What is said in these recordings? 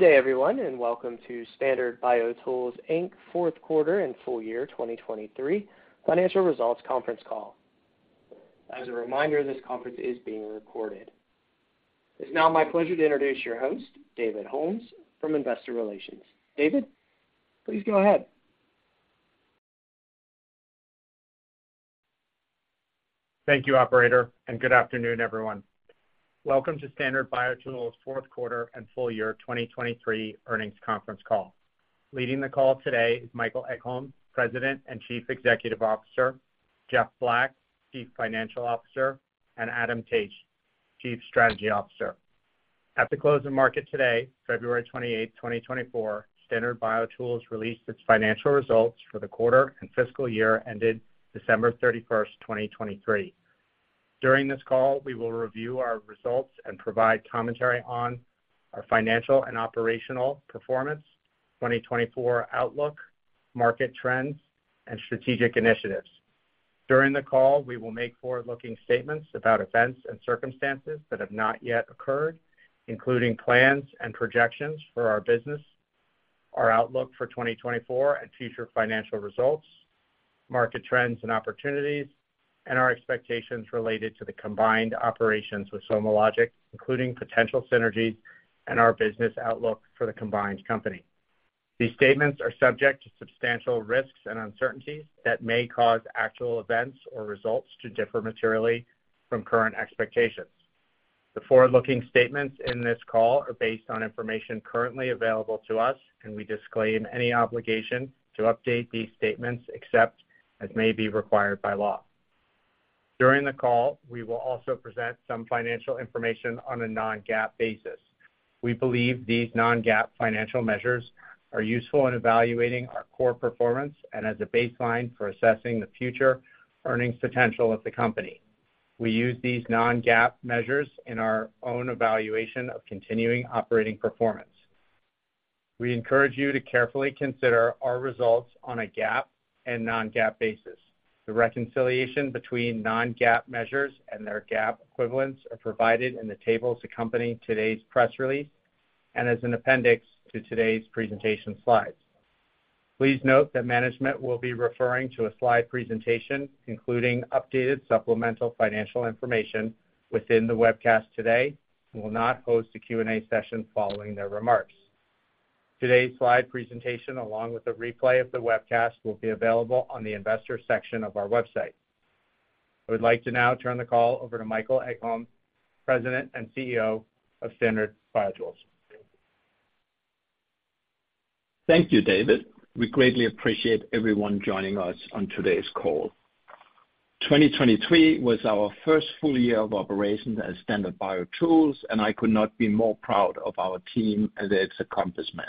Good day, everyone, and welcome to Standard BioTools Inc.'s Fourth Quarter and Full Year 2023 Financial Results conference call. As a reminder, this conference is being recorded. It's now my pleasure to introduce your host, David Holmes, from Investor Relations. David, please go ahead. Thank you, operator, and good afternoon, everyone. Welcome to Standard BioTools' Fourth Quarter and Full Year 2023 earnings conference call. Leading the call today is Michael Egholm, President and Chief Executive Officer; Jeff Black, Chief Financial Officer; and Adam Taich, Chief Strategy Officer. At the closing market today, February 28, 2024, Standard BioTools released its financial results for the quarter and fiscal year ended December 31st, 2023. During this call, we will review our results and provide commentary on our financial and operational performance, 2024 outlook, market trends, and strategic initiatives. During the call, we will make forward-looking statements about events and circumstances that have not yet occurred, including plans and projections for our business, our outlook for 2024 and future financial results, market trends and opportunities, and our expectations related to the combined operations with SomaLogic, including potential synergies and our business outlook for the combined company. These statements are subject to substantial risks and uncertainties that may cause actual events or results to differ materially from current expectations. The forward-looking statements in this call are based on information currently available to us, and we disclaim any obligation to update these statements except as may be required by law. During the call, we will also present some financial information on a non-GAAP basis. We believe these non-GAAP financial measures are useful in evaluating our core performance and as a baseline for assessing the future earnings potential of the company. We use these non-GAAP measures in our own evaluation of continuing operating performance. We encourage you to carefully consider our results on a GAAP and non-GAAP basis. The reconciliation between non-GAAP measures and their GAAP equivalents are provided in the tables accompanying today's press release and as an appendix to today's presentation slides. Please note that management will be referring to a slide presentation, including updated supplemental financial information within the webcast today, and will not host a Q&A session following their remarks. Today's slide presentation, along with a replay of the webcast, will be available on the investor section of our website. I would like to now turn the call over to Michael Egholm, President and CEO of Standard BioTools. Thank you, David. We greatly appreciate everyone joining us on today's call. 2023 was our first full year of operations as Standard BioTools, and I could not be more proud of our team and its accomplishment.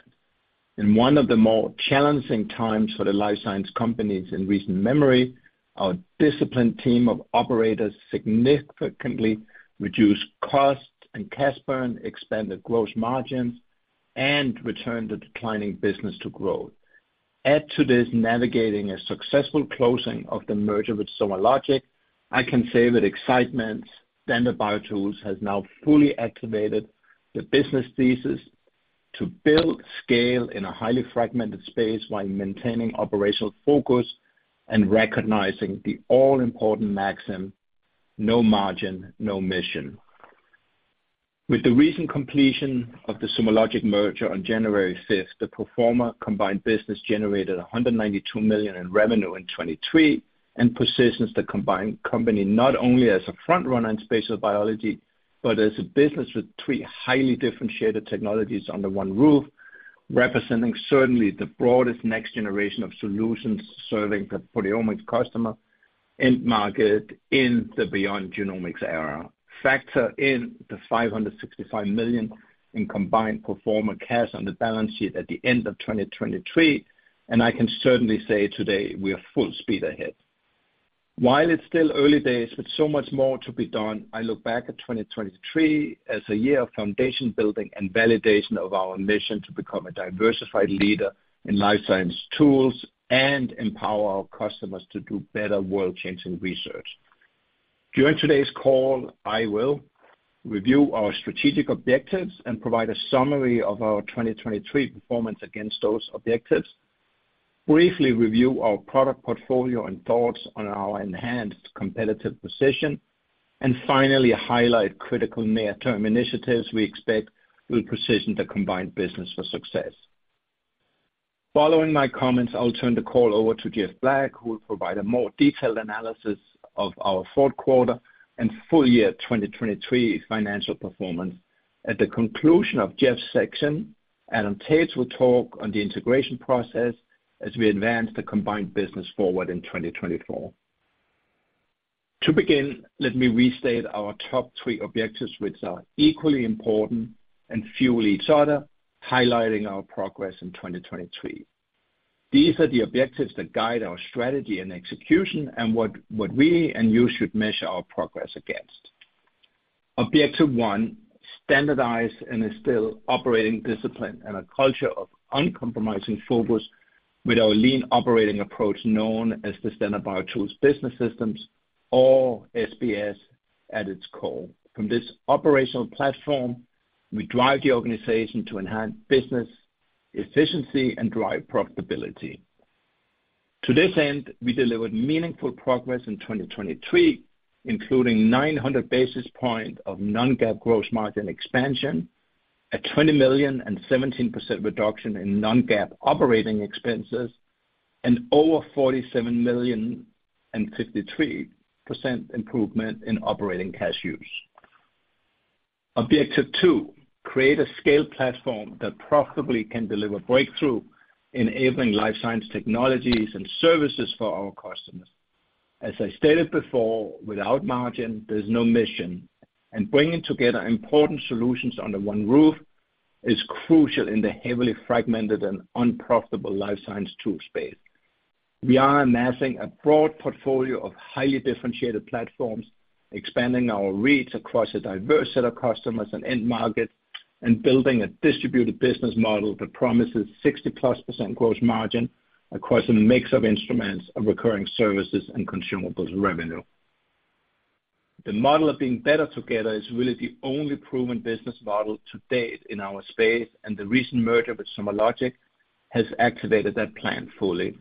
In one of the more challenging times for the life science companies in recent memory, our disciplined team of operators significantly reduced costs and cash burn, expanded gross margins, and returned the declining business to growth. Add to this, navigating a successful closing of the merger with SomaLogic, I can say with excitement, Standard BioTools has now fully activated the business thesis to build scale in a highly fragmented space while maintaining operational focus and recognizing the all-important maxim, no margin, no mission. With the recent completion of the SomaLogic merger on January fifth, the pro forma combined business generated $192 million in revenue in 2023, and positions the combined company not only as a front runner in spatial biology, but as a business with three highly differentiated technologies under one roof, representing certainly the broadest next generation of solutions serving the proteomics customer end market in the beyond genomics era. Factor in the $565 million in combined pro forma cash on the balance sheet at the end of 2023, and I can certainly say today we are full speed ahead. While it's still early days with so much more to be done, I look back at 2023 as a year of foundation building and validation of our mission to become a diversified leader in life science tools and empower our customers to do better world-changing research. During today's call, I will review our strategic objectives and provide a summary of our 2023 performance against those objectives, briefly review our product portfolio and thoughts on our enhanced competitive position, and finally, highlight critical near-term initiatives we expect will position the combined business for success. Following my comments, I'll turn the call over to Jeff Black, who will provide a more detailed analysis of our fourth quarter and full year 2023 financial performance. At the conclusion of Jeff's section, Adam Taich will talk on the integration process as we advance the combined business forward in 2024. To begin, let me restate our top three objectives, which are equally important and fuel each other, highlighting our progress in 2023. These are the objectives that guide our strategy and execution and what we and you should measure our progress against. Objective one: Standardize and instill operating discipline and a culture of uncompromising focus with our lean operating approach, known as the Standard BioTools Business System, or SBS at its core. From this operational platform, we drive the organization to enhance business efficiency and drive profitability. To this end, we delivered meaningful progress in 2023, including 900 basis points of non-GAAP gross margin expansion, a $20 million and 17% reduction in non-GAAP operating expenses, and over $47 million and 53% improvement in operating cash use. Objective two: create a scale platform that profitably can deliver breakthrough, enabling life science technologies and services for our customers. As I stated before, without margin, there's no mission, and bringing together important solutions under one roof is crucial in the heavily fragmented and unprofitable life science tool space. We are amassing a broad portfolio of highly differentiated platforms, expanding our reach across a diverse set of customers and end markets, and building a distributed business model that promises 60%+ gross margin across a mix of instruments of recurring services and consumables revenue. The model of being better together is really the only proven business model to date in our space, and the recent merger with SomaLogic has activated that plan fully.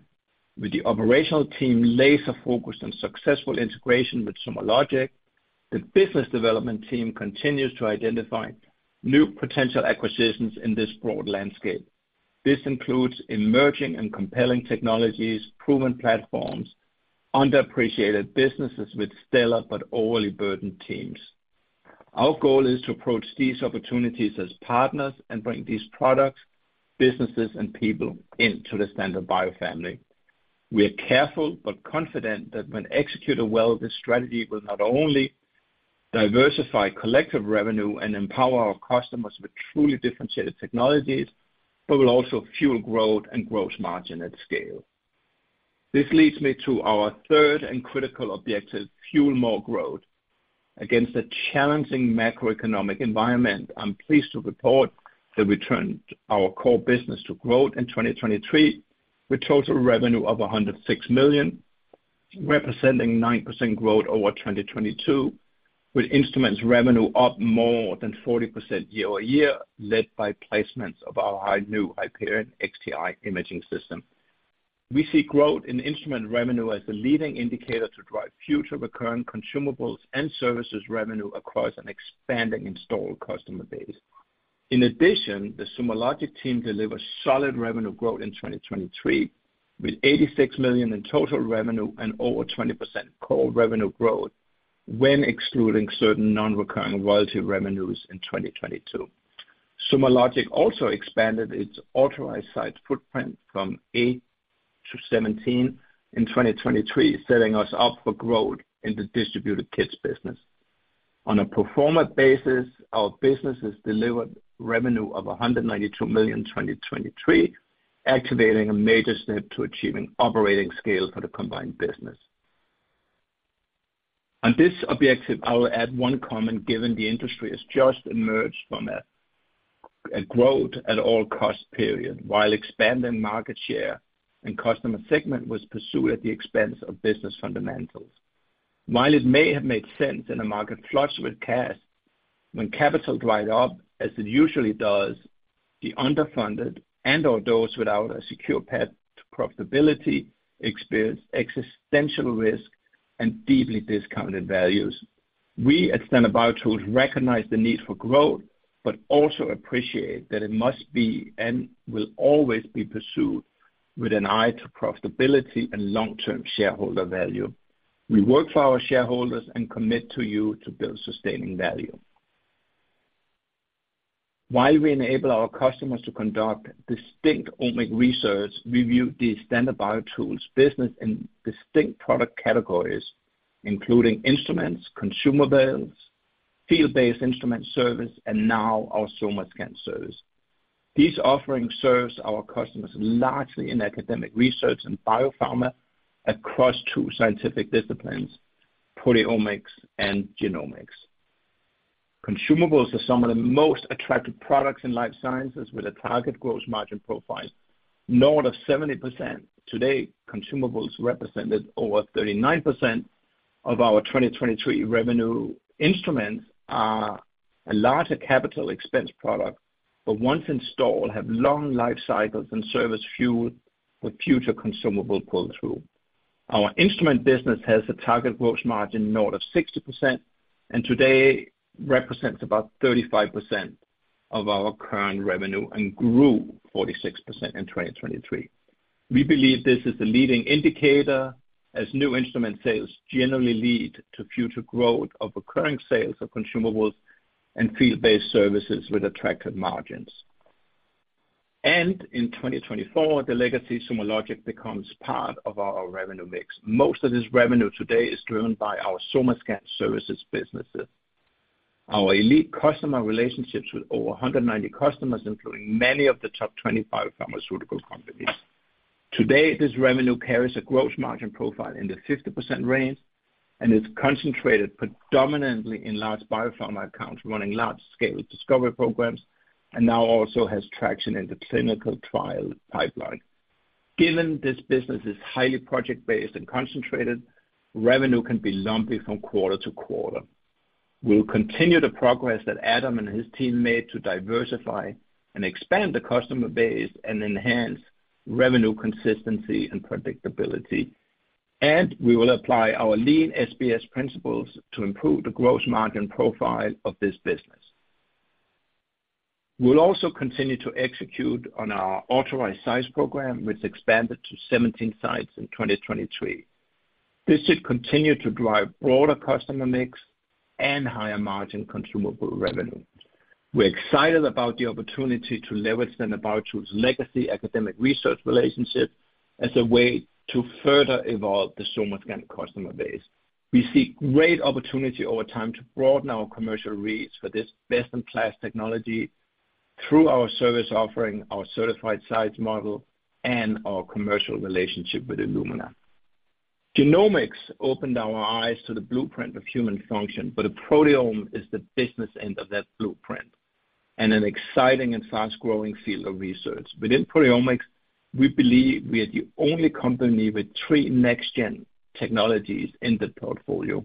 With the operational team laser-focused on successful integration with SomaLogic, the business development team continues to identify new potential acquisitions in this broad landscape. This includes emerging and compelling technologies, proven platforms, underappreciated businesses with stellar but overly burdened teams. Our goal is to approach these opportunities as partners and bring these products, businesses, and people into the Standard BioTools family. We are careful but confident that when executed well, this strategy will not only diversify collective revenue and empower our customers with truly differentiated technologies, but will also fuel growth and gross margin at scale. This leads me to our third and critical objective, fuel more growth. Against a challenging macroeconomic environment, I'm pleased to report that we turned our core business to growth in 2023, with total revenue of $106 million, representing 9% growth over 2022, with instruments revenue up more than 40% year-over-year, led by placements of our high new Hyperion XTi imaging system. We see growth in instrument revenue as a leading indicator to drive future recurring consumables and services revenue across an expanding installed customer base. In addition, the SomaLogic team delivered solid revenue growth in 2023, with $86 million in total revenue and over 20% core revenue growth, when excluding certain non-recurring royalty revenues in 2022. SomaLogic also expanded its authorized site footprint from eight to 17 in 2023, setting us up for growth in the distributed kits business. On a pro forma basis, our businesses delivered revenue of $192 million in 2023, activating a major step to achieving operating scale for the combined business. On this objective, I will add one comment, given the industry has just emerged from a growth at all cost period, while expanding market share and customer segment was pursued at the expense of business fundamentals. While it may have made sense in a market flush with cash, when capital dried up, as it usually does, the underfunded and/or those without a secure path to profitability experienced existential risk and deeply discounted values. We at Standard BioTools recognize the need for growth, but also appreciate that it must be, and will always be, pursued with an eye to profitability and long-term shareholder value. We work for our shareholders and commit to you to build sustaining value. While we enable our customers to conduct distinct omic research, we view the Standard BioTools business in distinct product categories, including instruments, consumables, field-based instrument service, and now our SomaScan service. These offerings serves our customers largely in academic research and biopharma across two scientific disciplines, proteomics and genomics. Consumables are some of the most attractive products in life sciences, with a target gross margin profile north of 70%. Today, consumables represented over 39% of our 2023 revenue. Instruments are a larger capital expense product, but once installed, have long life cycles and service fuel with future consumable pull-through. Our instrument business has a target gross margin north of 60%, and today represents about 35% of our current revenue and grew 46% in 2023. We believe this is a leading indicator, as new instrument sales generally lead to future growth of recurring sales of consumables and field-based services with attractive margins. In 2024, the legacy SomaLogic becomes part of our revenue mix. Most of this revenue today is driven by our SomaScan services businesses. Our elite customer relationships with over 190 customers, including many of the top 20 biopharmaceutical companies. Today, this revenue carries a gross margin profile in the 50% range and is concentrated predominantly in large biopharma accounts running large-scale discovery programs, and now also has traction in the clinical trial pipeline. Given this business is highly project-based and concentrated, revenue can be lumpy from quarter to quarter. We'll continue the progress that Adam and his team made to diversify and expand the customer base, and enhance revenue consistency and predictability. We will apply our lean SBS principles to improve the gross margin profile of this business. We'll also continue to execute on our authorized sites program, which expanded to 17 sites in 2023. This should continue to drive broader customer mix and higher margin consumable revenue. We're excited about the opportunity to leverage Standard BioTools' legacy academic research relationship as a way to further evolve the SomaScan customer base. We see great opportunity over time to broaden our commercial reach for this best-in-class technology through our service offering, our certified sites model, and our commercial relationship with Illumina. Genomics opened our eyes to the blueprint of human function, but the proteome is the business end of that blueprint, and an exciting and fast-growing field of research. Within proteomics, we believe we are the only company with three next-gen technologies in the portfolio.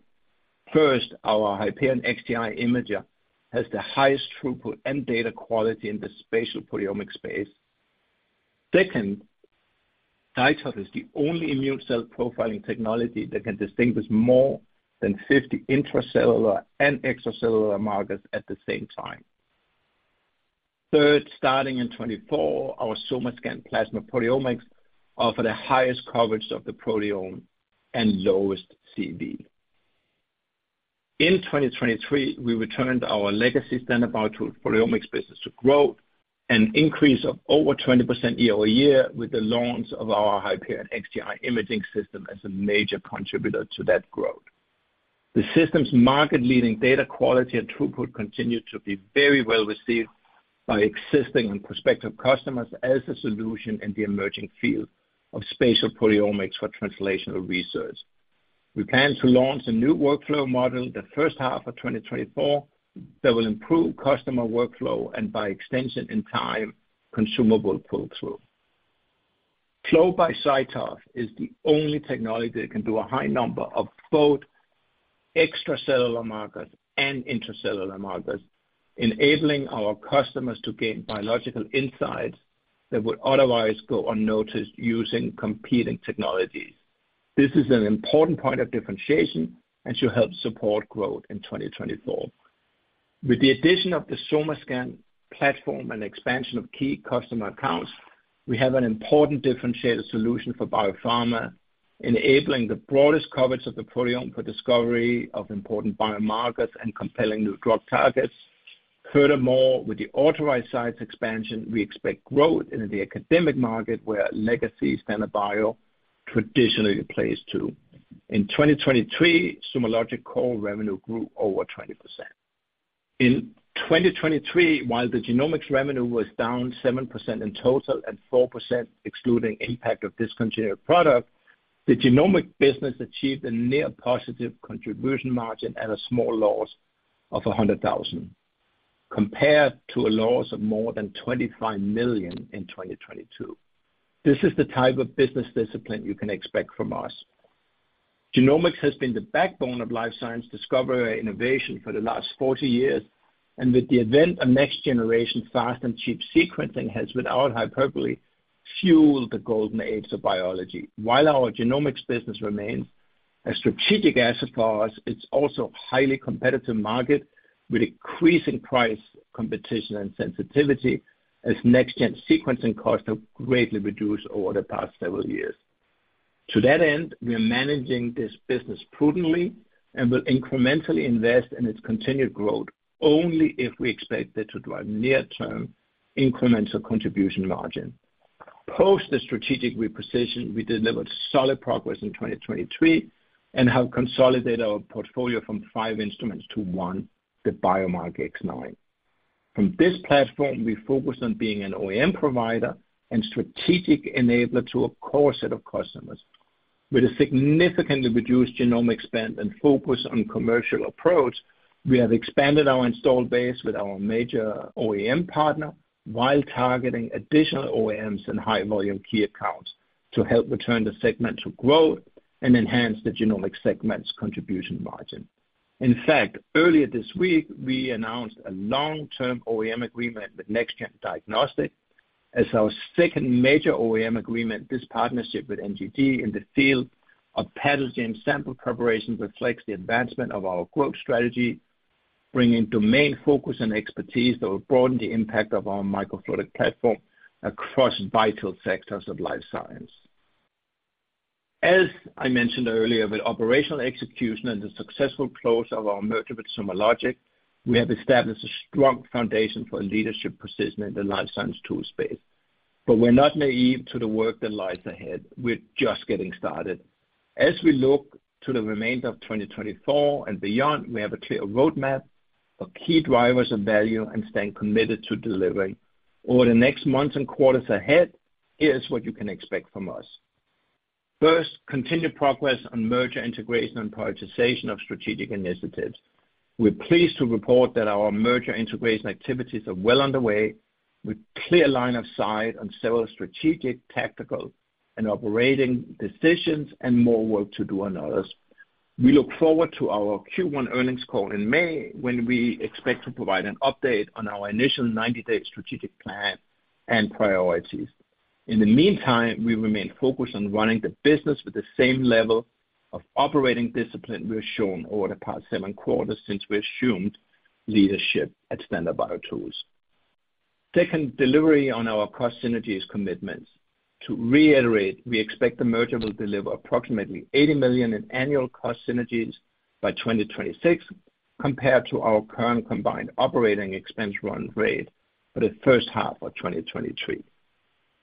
First, our Hyperion XTi imager has the highest throughput and data quality in the spatial proteomic space. Second, CyTOF is the only immune cell profiling technology that can distinguish more than 50 intracellular and extracellular markers at the same time. Third, starting in 2024, our SomaScan plasma proteomics offer the highest coverage of the proteome and lowest CV. In 2023, we returned our legacy standard proteomics business to growth, an increase of over 20% year-over-year, with the launch of our Hyperion XTi imaging system as a major contributor to that growth. The system's market-leading data quality and throughput continued to be very well received by existing and prospective customers as a solution in the emerging field of spatial proteomics for translational research. We plan to launch a new workflow model in the first half of 2024, that will improve customer workflow, and by extension and time, consumable pull-through. Further, CyTOF is the only technology that can do a high number of both extracellular markers and intracellular markers, enabling our customers to gain biological insights that would otherwise go unnoticed using competing technologies. This is an important point of differentiation and should help support growth in 2024. With the addition of the SomaScan platform and expansion of key customer accounts, we have an important differentiated solution for biopharma, enabling the broadest coverage of the proteome for discovery of important biomarkers and compelling new drug targets. Furthermore, with the authorized sites expansion, we expect growth in the academic market, where legacy Standard Bio traditionally plays to. In 2023, SomaLogic core revenue grew over 20%. In 2023, while the genomics revenue was down 7% in total and 4% excluding impact of discontinued product, the genomics business achieved a near positive contribution margin at a small loss of $100,000, compared to a loss of more than $25 million in 2022. This is the type of business discipline you can expect from us. Genomics has been the backbone of life science discovery and innovation for the last 40 years, and with the advent of next-generation fast and cheap sequencing, has, without hyperbole, fueled the golden age of biology. While our genomics business remains a strategic asset for us, it's also a highly competitive market, with increasing price competition and sensitivity, as next-gen sequencing costs have greatly reduced over the past several years. To that end, we are managing this business prudently and will incrementally invest in its continued growth only if we expect it to drive near-term incremental contribution margin. Post the strategic reposition, we delivered solid progress in 2023, and have consolidated our portfolio from five instruments to one, the Biomark X9. From this platform, we focus on being an OEM provider and strategic enabler to a core set of customers. With a significantly reduced genomics spend and focus on commercial approach, we have expanded our installed base with our major OEM partner, while targeting additional OEMs and high-volume key accounts to help return the segment to growth and enhance the genomics segment's contribution margin. In fact, earlier this week, we announced a long-term OEM agreement with Next Gen Diagnostics. As our second major OEM agreement, this partnership with NGD in the field of pathogen sample preparation reflects the advancement of our growth strategy, bringing domain focus and expertise that will broaden the impact of our microfluidic platform across vital sectors of life science. As I mentioned earlier, with operational execution and the successful close of our merger with SomaLogic, we have established a strong foundation for a leadership position in the life science tool space. But we're not naive to the work that lies ahead. We're just getting started. As we look to the remainder of 2024 and beyond, we have a clear roadmap of key drivers of value and staying committed to delivering. Over the next months and quarters ahead, here's what you can expect from us. First, continued progress on merger integration and prioritization of strategic initiatives. We're pleased to report that our merger integration activities are well underway, with clear line of sight on several strategic, tactical, and operating decisions, and more work to do on others. We look forward to our Q1 earnings call in May, when we expect to provide an update on our initial 90-day strategic plan and priorities. In the meantime, we remain focused on running the business with the same level of operating discipline we have shown over the past 7 quarters since we assumed leadership at Standard BioTools. Second, delivery on our cost synergies commitments. To reiterate, we expect the merger will deliver approximately $80 million in annual cost synergies by 2026, compared to our current combined operating expense run rate for the first half of 2023.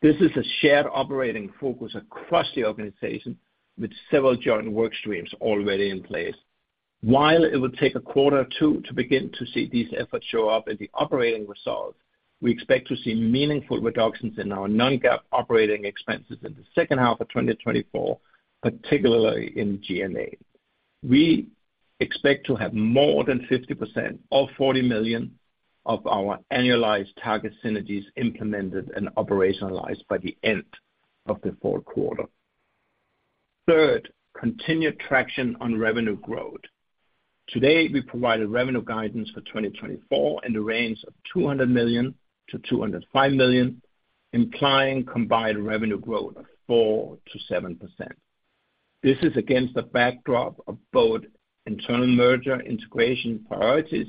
This is a shared operating focus across the organization, with several joint work streams already in place. While it will take a quarter or two to begin to see these efforts show up in the operating results, we expect to see meaningful reductions in our non-GAAP operating expenses in the second half of 2024, particularly in G&A. We expect to have more than 50%, or $40 million, of our annualized target synergies implemented and operationalized by the end of the fourth quarter. Third, continued traction on revenue growth. Today, we provided revenue guidance for 2024 in the range of $200 million-$205 million, implying combined revenue growth of 4%-7%. This is against the backdrop of both internal merger integration priorities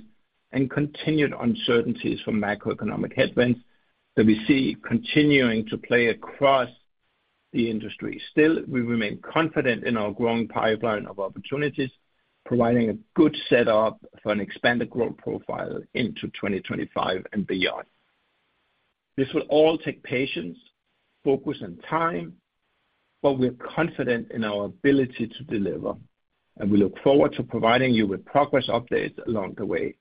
and continued uncertainties from macroeconomic headwinds that we see continuing to play across the industry. Still, we remain confident in our growing pipeline of opportunities, providing a good setup for an expanded growth profile into 2025 and beyond. This will all take patience, focus, and time, but we're confident in our ability to deliver, and we look forward to providing you with progress updates along the way.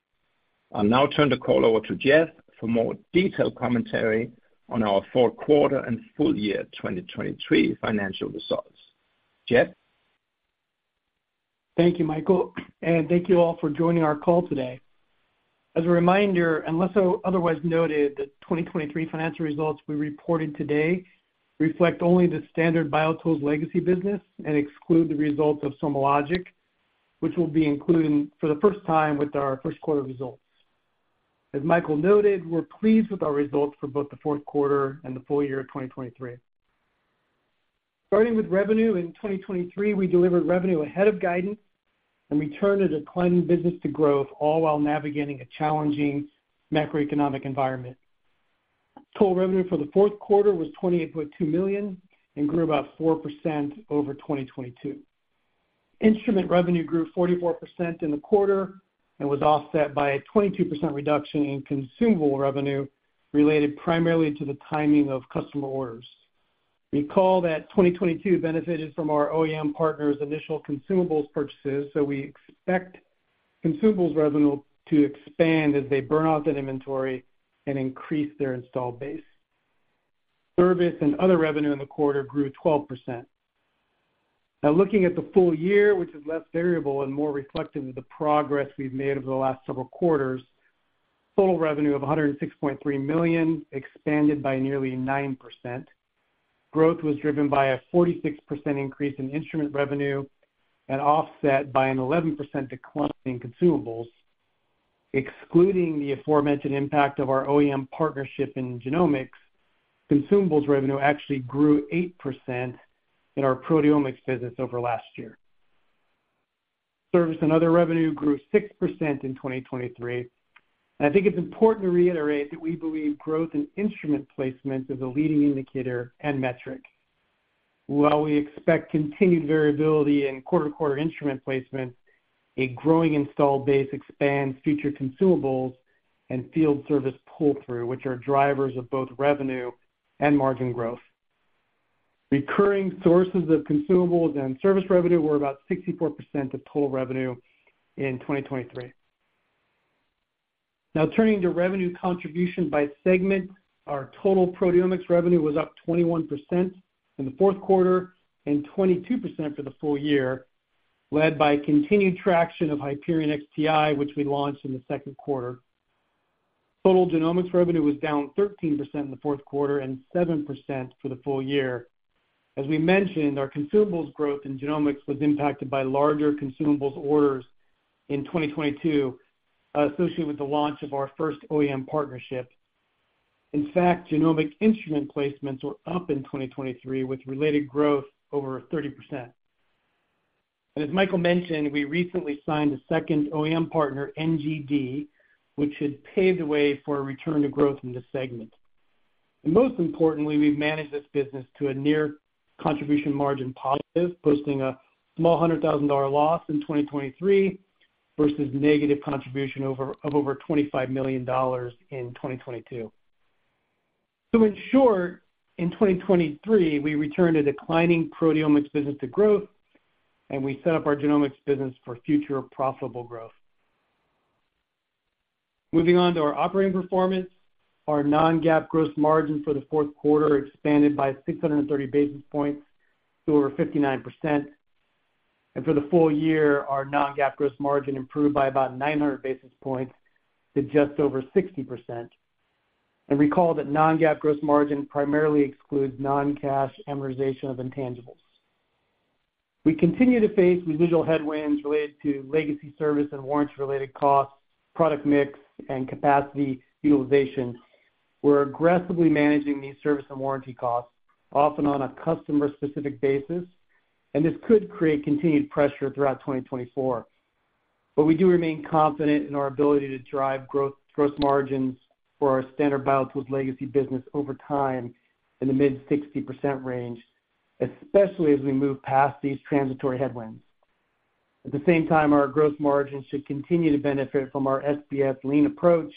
I'll now turn the call over to Jeff for more detailed commentary on our fourth quarter and full year 2023 financial results. Jeff? Thank you, Michael, and thank you all for joining our call today. As a reminder, unless otherwise noted, the 2023 financial results we reported today reflect only the Standard BioTools legacy business and exclude the results of SomaLogic, which will be included for the first time with our first quarter results. As Michael noted, we're pleased with our results for both the fourth quarter and the full year of 2023. Starting with revenue, in 2023, we delivered revenue ahead of guidance and returned a declining business to growth, all while navigating a challenging macroeconomic environment. Total revenue for the fourth quarter was $28.2 million and grew about 4% over 2022. Instrument revenue grew 44% in the quarter and was offset by a 22% reduction in consumable revenue, related primarily to the timing of customer orders. Recall that 2022 benefited from our OEM partner's initial consumables purchases, so we expect consumables revenue to expand as they burn off that inventory and increase their installed base. Service and other revenue in the quarter grew 12%. Now, looking at the full year, which is less variable and more reflective of the progress we've made over the last several quarters, total revenue of $106.3 million expanded by nearly 9%. Growth was driven by a 46% increase in instrument revenue and offset by an 11% decline in consumables. Excluding the aforementioned impact of our OEM partnership in genomics, consumables revenue actually grew 8% in our proteomics business over last year. Service and other revenue grew 6% in 2023. I think it's important to reiterate that we believe growth in instrument placement is a leading indicator and metric. While we expect continued variability in quarter-to-quarter instrument placement, a growing installed base expands future consumables and field service pull-through, which are drivers of both revenue and margin growth. Recurring sources of consumables and service revenue were about 64% of total revenue in 2023. Now, turning to revenue contribution by segment, our total proteomics revenue was up 21% in the fourth quarter and 22% for the full year, led by continued traction of Hyperion XTi, which we launched in the second quarter. Total genomics revenue was down 13% in the fourth quarter and 7% for the full year. As we mentioned, our consumables growth in genomics was impacted by larger consumables orders in 2022, associated with the launch of our first OEM partnership. In fact, genomic instrument placements were up in 2023, with related growth over 30%. And as Michael mentioned, we recently signed a second OEM partner, NGD, which should pave the way for a return to growth in this segment. And most importantly, we've managed this business to a near contribution margin positive, posting a small $100,000 loss in 2023 versus negative contribution of over $25 million in 2022. So in short, in 2023, we returned a declining proteomics business to growth, and we set up our genomics business for future profitable growth. Moving on to our operating performance. Our non-GAAP gross margin for the fourth quarter expanded by 630 basis points to over 59%. For the full year, our non-GAAP gross margin improved by about 900 basis points to just over 60%. Recall that non-GAAP gross margin primarily excludes non-cash amortization of intangibles. We continue to face residual headwinds related to legacy service and warranty-related costs, product mix, and capacity utilization. We're aggressively managing these service and warranty costs, often on a customer-specific basis, and this could create continued pressure throughout 2024. But we do remain confident in our ability to drive growth, gross margins for our Standard BioTools legacy business over time in the mid-60% range, especially as we move past these transitory headwinds. At the same time, our gross margins should continue to benefit from our SBS lean approach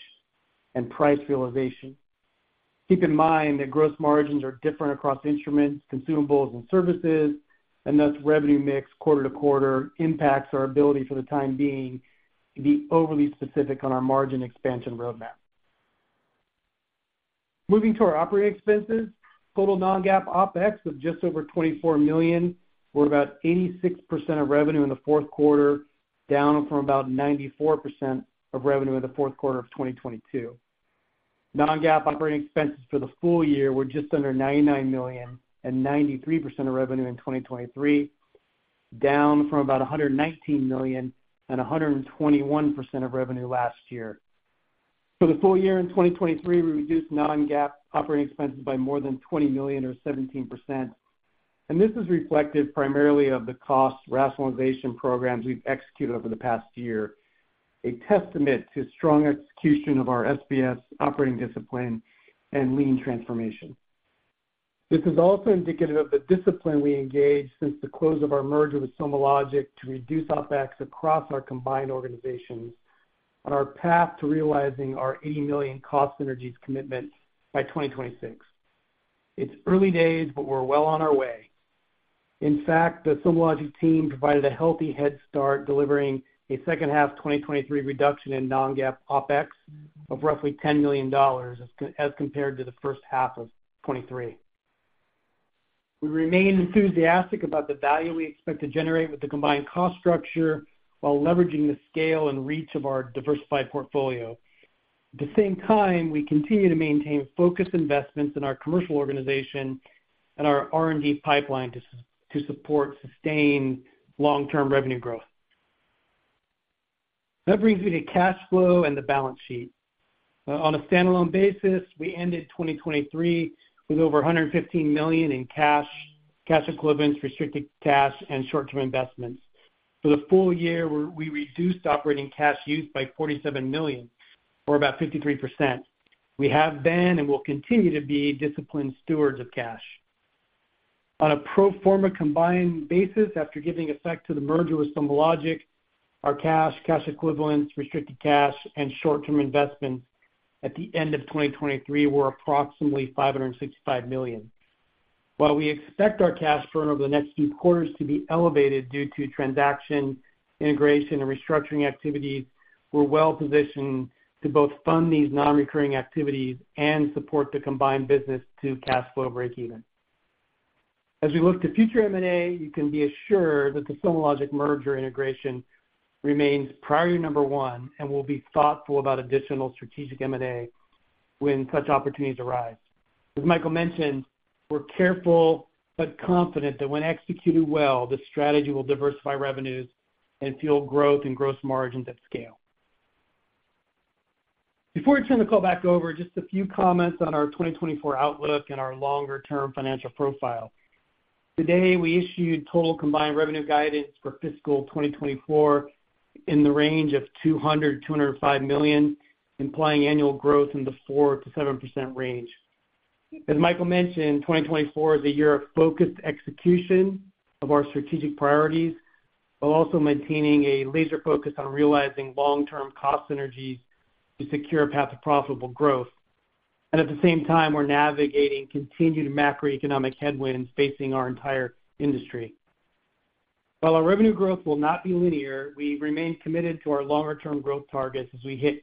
and price realization. Keep in mind that gross margins are different across instruments, consumables, and services, and thus, revenue mix quarter to quarter impacts our ability for the time being, to be overly specific on our margin expansion roadmap. Moving to our operating expenses. Total non-GAAP OpEx of just over $24 million, were about 86% of revenue in the fourth quarter, down from about 94% of revenue in the fourth quarter of 2022. Non-GAAP operating expenses for the full year were just under $99 million and 93% of revenue in 2023, down from about $119 million and 121% of revenue last year. For the full year in 2023, we reduced non-GAAP operating expenses by more than $20 million or 17%, and this is reflective primarily of the cost rationalization programs we've executed over the past year, a testament to strong execution of our SBS operating discipline and lean transformation. This is also indicative of the discipline we engaged since the close of our merger with SomaLogic, to reduce OpEx across our combined organizations on our path to realizing our $80 million cost synergies commitment by 2026. It's early days, but we're well on our way. In fact, the SomaLogic team provided a healthy head start, delivering a second half 2023 reduction in non-GAAP OpEx of roughly $10 million, as compared to the first half of 2023. We remain enthusiastic about the value we expect to generate with the combined cost structure, while leveraging the scale and reach of our diversified portfolio. At the same time, we continue to maintain focused investments in our commercial organization and our R&D pipeline to support sustained long-term revenue growth. That brings me to cash flow and the balance sheet. On a standalone basis, we ended 2023 with over $115 million in cash, cash equivalents, restricted cash, and short-term investments. For the full year, we reduced operating cash use by $47 million, or about 53%. We have been and will continue to be disciplined stewards of cash. On a pro forma combined basis, after giving effect to the merger with SomaLogic, our cash, cash equivalents, restricted cash, and short-term investments at the end of 2023 were approximately $565 million. While we expect our cash burn over the next few quarters to be elevated due to transaction, integration, and restructuring activities, we're well positioned to both fund these non-recurring activities and support the combined business to cash flow breakeven. As we look to future M&A, you can be assured that the SomaLogic merger integration remains priority number one, and we'll be thoughtful about additional strategic M&A when such opportunities arise. As Michael mentioned, we're careful but confident that when executed well, this strategy will diversify revenues and fuel growth and gross margins at scale. Before I turn the call back over, just a few comments on our 2024 outlook and our longer-term financial profile. Today, we issued total combined revenue guidance for fiscal 2024 in the range of $200 million-$205 million, implying annual growth in the 4%-7% range. As Michael mentioned, 2024 is a year of focused execution of our strategic priorities, while also maintaining a laser focus on realizing long-term cost synergies to secure a path to profitable growth. At the same time, we're navigating continued macroeconomic headwinds facing our entire industry. While our revenue growth will not be linear, we remain committed to our longer-term growth targets as we hit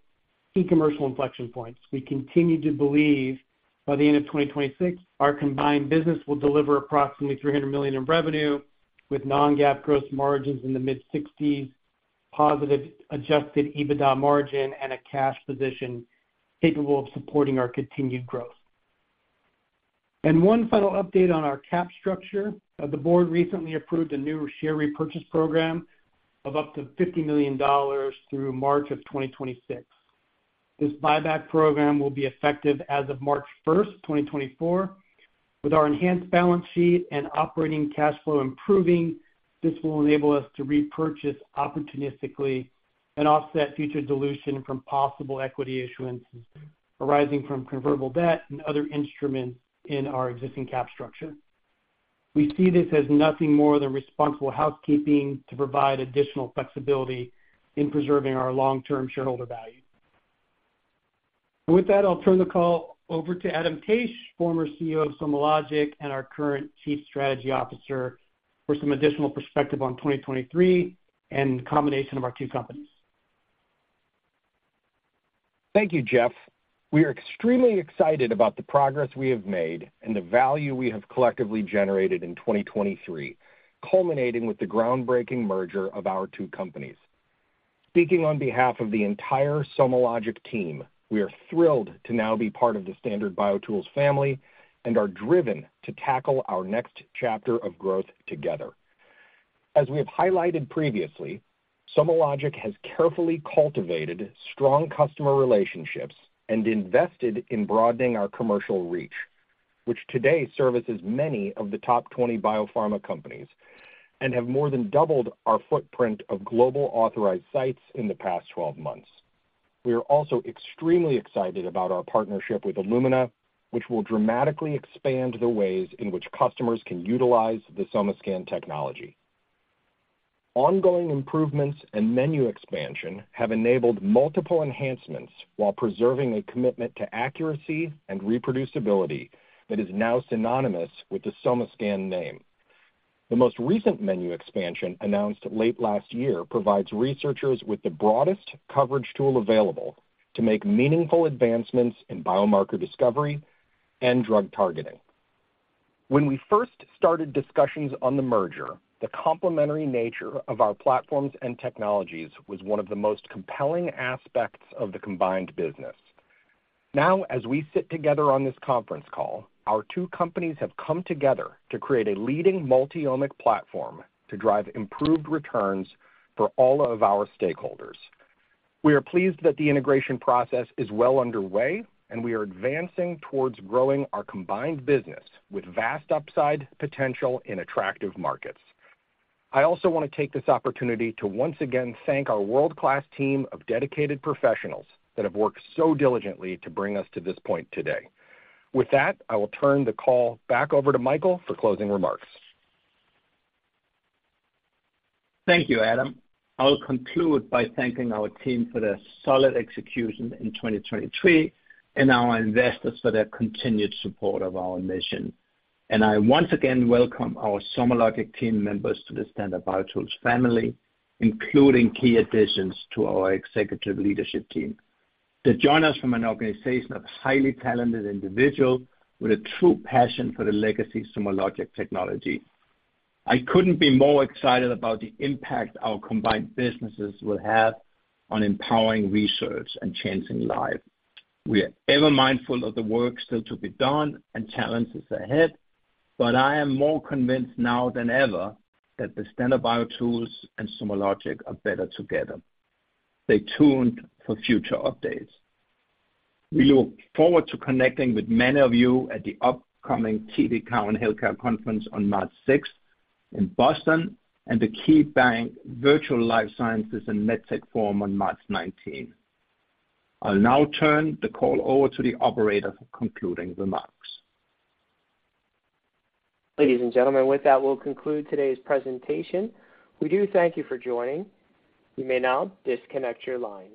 key commercial inflection points. We continue to believe by the end of 2026, our combined business will deliver approximately $300 million in revenue, with non-GAAP gross margins in the mid-60s%, positive adjusted EBITDA margin, and a cash position capable of supporting our continued growth. One final update on our capital structure. The board recently approved a new share repurchase program of up to $50 million through March 2026. This buyback program will be effective as of March 1, 2024. With our enhanced balance sheet and operating cash flow improving, this will enable us to repurchase opportunistically and offset future dilution from possible equity issuances arising from convertible debt and other instruments in our existing cap structure. We see this as nothing more than responsible housekeeping to provide additional flexibility in preserving our long-term shareholder value. With that, I'll turn the call over to Adam Taich, former CEO of SomaLogic and our current Chief Strategy Officer, for some additional perspective on 2023 and the combination of our two companies. Thank you, Jeff. We are extremely excited about the progress we have made and the value we have collectively generated in 2023, culminating with the groundbreaking merger of our two companies. Speaking on behalf of the entire SomaLogic team, we are thrilled to now be part of the Standard BioTools family and are driven to tackle our next chapter of growth together. As we have highlighted previously, SomaLogic has carefully cultivated strong customer relationships and invested in broadening our commercial reach, which today services many of the top 20 biopharma companies, and have more than doubled our footprint of global authorized sites in the past 12 months. We are also extremely excited about our partnership with Illumina, which will dramatically expand the ways in which customers can utilize the SomaScan technology. Ongoing improvements and menu expansion have enabled multiple enhancements while preserving a commitment to accuracy and reproducibility that is now synonymous with the SomaScan name. The most recent menu expansion, announced late last year, provides researchers with the broadest coverage tool available to make meaningful advancements in biomarker discovery and drug targeting. When we first started discussions on the merger, the complementary nature of our platforms and technologies was one of the most compelling aspects of the combined business. Now, as we sit together on this conference call, our two companies have come together to create a leading multi-omic platform to drive improved returns for all of our stakeholders. We are pleased that the integration process is well underway, and we are advancing towards growing our combined business with vast upside potential in attractive markets. I also want to take this opportunity to once again thank our world-class team of dedicated professionals that have worked so diligently to bring us to this point today. With that, I will turn the call back over to Michael for closing remarks. Thank you, Adam. I'll conclude by thanking our team for their solid execution in 2023 and our investors for their continued support of our mission. I once again welcome our SomaLogic team members to the Standard BioTools family, including key additions to our executive leadership team. They join us from an organization of highly talented individuals with a true passion for the legacy SomaLogic technology. I couldn't be more excited about the impact our combined businesses will have on empowering research and changing lives. We are ever mindful of the work still to be done and challenges ahead, but I am more convinced now than ever that the Standard BioTools and SomaLogic are better together. Stay tuned for future updates. We look forward to connecting with many of you at the upcoming TD Cowen Healthcare Conference on March sixth in Boston, and the KeyBanc Virtual Life Sciences and MedTech Forum on March nineteenth. I'll now turn the call over to the operator for concluding remarks. Ladies and gentlemen, with that, we'll conclude today's presentation. We do thank you for joining. You may now disconnect your lines.